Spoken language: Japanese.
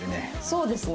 そうですね。